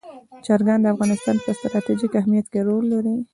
چرګان د افغانستان په ستراتیژیک اهمیت کې رول لري.